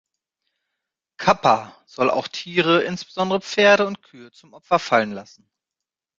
„Kappa“ soll auch Tiere, insbesondere Pferde und Kühe, zum Opfer fallen lassen.